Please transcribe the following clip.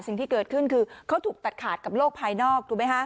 สิ่งที่เกิดขึ้นคือเขาถูกตัดขาดกับโลกภายนอกถูกไหมฮะ